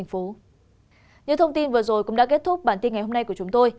những thông tin vừa rồi cũng đã kết thúc bản tin ngày hôm nay của chúng tôi